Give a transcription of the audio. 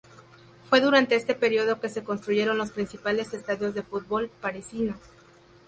Fue durante este período que se construyeron los principales estadios de fútbol parisinos.